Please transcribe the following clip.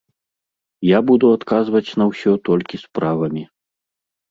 Я буду адказваць на ўсё толькі справамі.